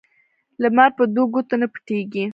لمر په دوو ګوتو نه پټېږي